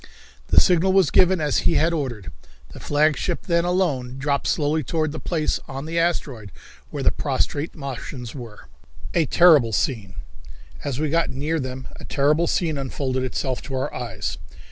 The signal was given as he had ordered. The flagship then alone dropped slowly toward the place on the asteroid where the prostrate Martians were. A Terrible Scene. As we got near them a terrible scene unfolded itself to our eyes.